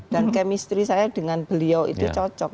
dan kemistri saya dengan beliau itu cocok